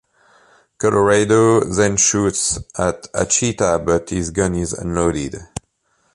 Colorado then shoots at Hachita, but his gun is unloaded.